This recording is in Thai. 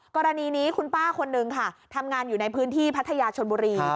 กรณีนี้คุณป้าคนนึงค่ะทำงานอยู่ในพื้นที่พัทยาชนบุรี